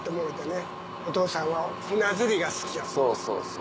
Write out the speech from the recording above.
そうそうそう。